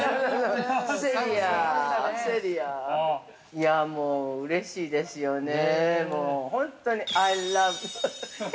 いや、もう、うれしいですよね。